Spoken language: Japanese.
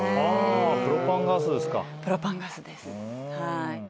プロパンガスですか。